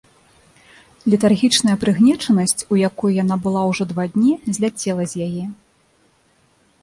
Летаргічная прыгнечанасць, у якой яна была ўжо два дні, зляцела з яе.